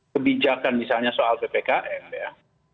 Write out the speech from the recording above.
kebijakan misalnya soal ppkm ya